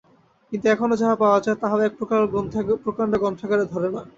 কিন্তু এখনও যাহা পাওয়া যায়, তাহাও এক প্রকাণ্ড গ্রন্থাগারে ধরে না।